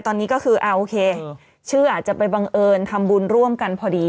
ตอนนี้ก็คือโอเคชื่ออาจจะไปบังเอิญทำบุญร่วมกันพอดี